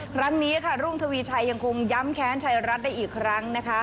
ครั้งนี้ค่ะรุ่งทวีชัยยังคงย้ำแค้นชัยรัฐได้อีกครั้งนะคะ